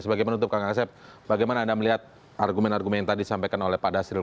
sebagai penutup kang asep bagaimana anda melihat argumen argumen yang tadi disampaikan oleh pak dasril